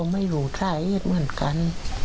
ไม่รู้สาเหตุเหมือนกัน